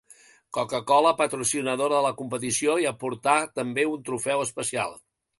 Coca-Cola, patrocinadora de la competició, hi aportà també un trofeu especial.